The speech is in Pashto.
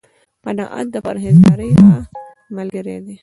قناعت، د پرهېزکارۍ ښه ملګری دی